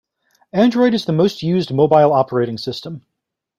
Android is the most used mobile operating system.